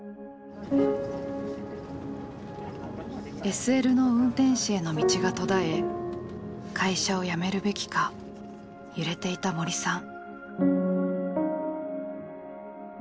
ＳＬの運転士への道が途絶え会社を辞めるべきか揺れていた森さん。